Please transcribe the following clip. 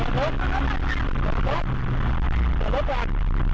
และลบกัน